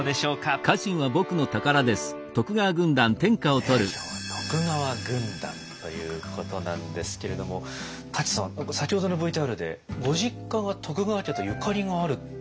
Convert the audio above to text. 今日は徳川軍団ということなんですけれども舘さん先ほどのＶＴＲでご実家が徳川家とゆかりがあるって。